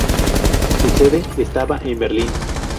Su sede estaba en Berlín.